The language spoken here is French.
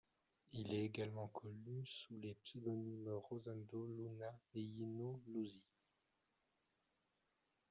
Il est également connu sous les pseudonymes Rosendo Luna et Yino Luzzi.